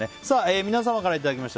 皆さんからいただきました